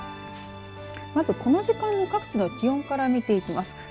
まず、この時間の各地の気温から見ていきます。